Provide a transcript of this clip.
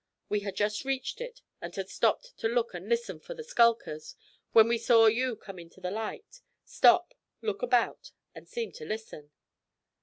We had just reached it and had stopped to look and listen for the skulkers, when we saw you come into the light, stop, look about, and seem to listen.